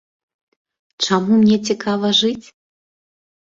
Чаму мне цікава жыць?